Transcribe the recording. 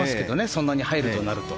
そんなに入るとなると。